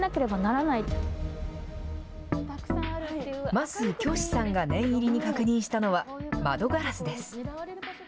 まず、京師さんが念入りに確認したのは、窓ガラスです。